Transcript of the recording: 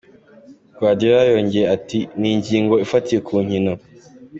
Guardiola yongeye ati: "Ni ingingo ifatiye ku nkino.